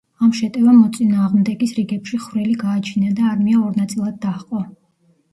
ამ შეტევამ მოწინააღმდეგის რიგებში ხვრელი გააჩინა და არმია ორ ნაწილად დაჰყო.